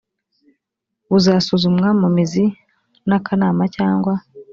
buzasuzumwa mu mizi n akanama cyangwa